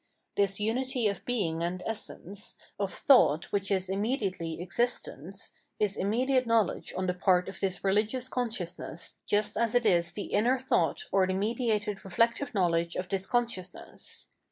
This rmity of bemg and essence, of thought which is immediately exist ence, is immediate knowledge on the part of this re hgious consciousness just as it is the mner thought or the mediated reflective knowledge of this consciousness.